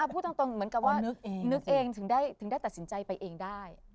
พูดตรงเหมือนกับว่านึกเองถึงได้ตัดสินใจไปเองได้